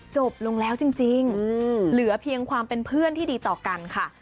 จบลงแล้วจริงเหลือเพียงความเป็นเพื่อนที่ดีต่อกันค่ะ